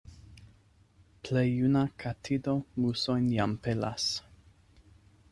Plej juna katido musojn jam pelas.